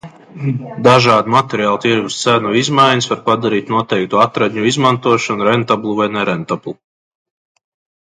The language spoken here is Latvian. Dažādu materiālu tirgus cenu izmaiņas var padarīt noteiktu atradņu izmantošanu rentablu vai nerentablu.